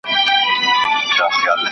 د ژبې راتلونکی روښانه دی.